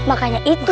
makanya itu dong